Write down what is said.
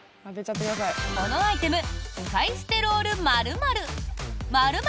このアイテム使い捨てロール〇〇。